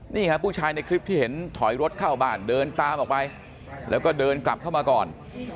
นี่ฮะผู้ชายในคลิปที่เห็นถอยรถเข้าบ้านเดินตามออกไปแล้วก็เดินกลับเข้ามาก่อน